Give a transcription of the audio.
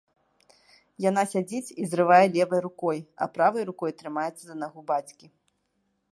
Яна сядзіць і зрывае левай рукой, а правай рукой трымаецца за нагу бацькі.